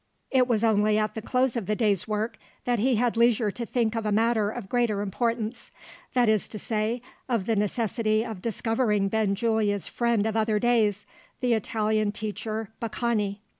It was only at the close of the day's work that he had leisure to think of a matter of greater importance that is to say, of the necessity of discovering Benjulia's friend of other days, the Italian teacher Baccani.